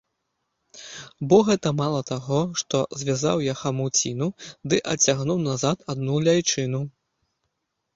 Бо гэта мала таго, што звязаў я хамуціну ды адцягнуў назад адну ляйчыну.